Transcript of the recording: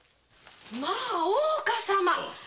まあ大岡様。